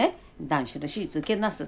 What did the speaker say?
断種の手術受けます」